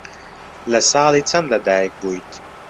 لە ساڵی چەند لەدایک بوویت؟